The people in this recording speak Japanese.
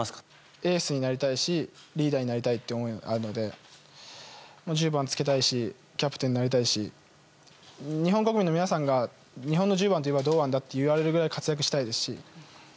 エースになりたいしリーダーになりたいというのはあるので１０番をつけたいしキャプテンになりたいし日本国民の皆さんが日本の１０番といえば堂安だというぐらい活躍したいですし。